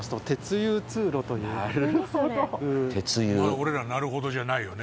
「俺らなるほどじゃないよね」